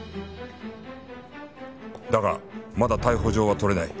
だがまだ逮捕状は取れない